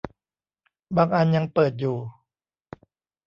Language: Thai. บางอันยังเปิดอยู่